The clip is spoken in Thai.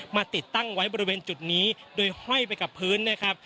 ติดตั้งไว้บริเวณจุดนี้โดยห้อยไปกับพื้นนะครับ